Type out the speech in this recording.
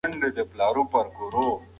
د ایران د پوځ مشران د تېښتې په حال کې وو.